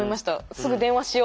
すぐ電話しよ。